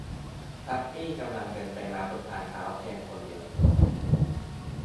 ทับปี้กำลังเดินไปเดินมาบนทางเท้าเพียงคนเดียว